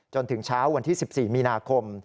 จนถึงเช้าวันที่๑๔มีนาคม